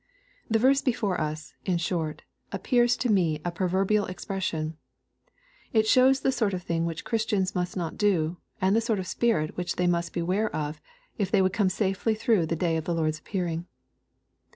The verse before us, in short, appears to me a proverbial express sion. It shows the sort of thing which Christians must not do, and the sort of spirit which they must beware of, if they would come safely through the day of the Lord's appearing.